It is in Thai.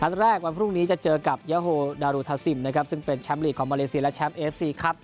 แรกวันพรุ่งนี้จะเจอกับยาโฮดารูทาซิมนะครับซึ่งเป็นแชมป์ลีกของมาเลเซียและแชมป์เอฟซีครับ